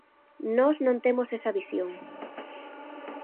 Nós non temos esa visión.